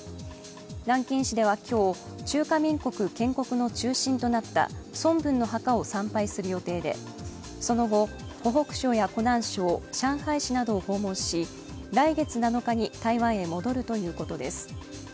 南京市では今日、中華民国建国の中心となった孫文の墓を参拝する予定でその後、湖北省や湖南省上海市などを訪問し来月７日に台湾に戻るということです。